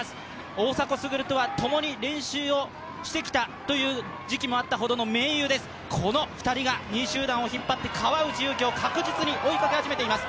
大迫傑とはともに練習をしてきたということもある盟友です、この２人が２位集団を引っ張って川内優輝を確実に追いかけ始めています。